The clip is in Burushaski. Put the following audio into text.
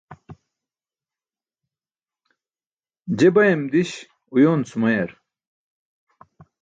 Je bayam di̇ś uyoon sumayar.